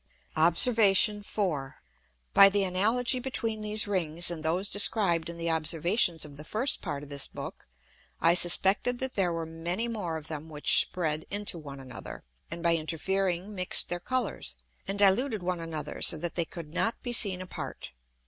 Obs. 4. By the analogy between these Rings and those described in the Observations of the first Part of this Book, I suspected that there were many more of them which spread into one another, and by interfering mix'd their Colours, and diluted one another so that they could not be seen apart.